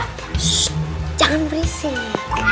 shhh jangan berisik